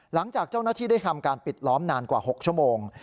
หลังจากเจ้าหน้าที่ได้ทำการปิดล้อมนานกว่า๖ชั่วโมง